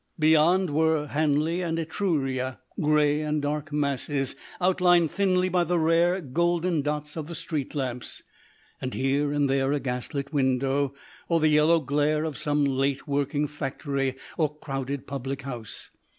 Beyond were Hanley and Etruria, grey and dark masses, outlined thinly by the rare golden dots of the street lamps, and here and there a gaslit window, or the yellow glare of some late working factory or crowded public house.